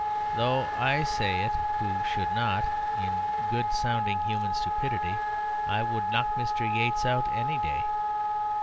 Though I say it who should not, in good sound human stupidity I would knock Mr. Yeats out any day.